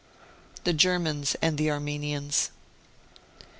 THE GERMANS AND THE ARMENIANS.